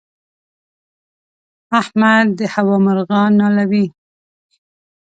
احمد د هوا مرغان نالوي.